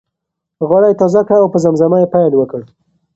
غاړه یې تازه کړه او په زمزمه یې پیل وکړ.